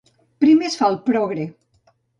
Primer es fa el progre.